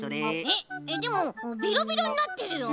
えっえっでもビロビロになってるよ。